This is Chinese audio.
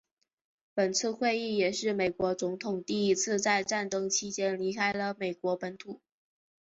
本次会议也是美国总统第一次在战争期间离开了美国本土。